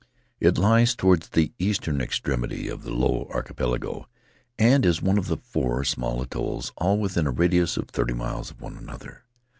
It lies toward the eastern extremity of the Low Archipelago, and is one of four small atolls, all within a radius of thirty miles of one another.